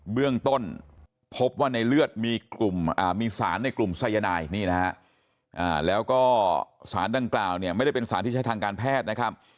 เบื้องต้นพบว่าในเลือดมีสารในกลุ่มสายนายนี่นะฮะแล้วก็สารดังกล่าวเนี่ยไม่ได้เป็นสารที่ใช้ทางการแพทย์นะครับ